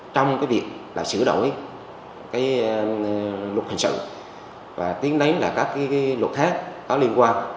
trong cái việc là sửa đổi cái luật hình sự và tiến đánh là các cái luật khác có liên quan